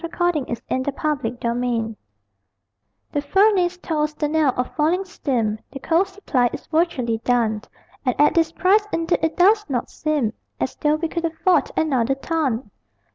ELEGY WRITTEN IN A COUNTRY COAL BIN The furnace tolls the knell of falling steam, The coal supply is virtually done, And at this price, indeed it does not seem As though we could afford another ton.